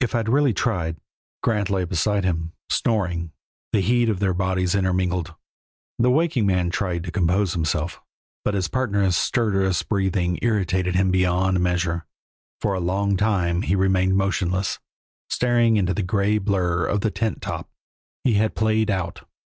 "If I'd really tried " Grant lay beside him, snoring, the heat of their bodies intermingled. The waking man tried to compose himself, but his partner's stertorous breathing irritated him beyond measure; for a long time he remained motionless, staring into the gray blurr of the tent top. He had played out.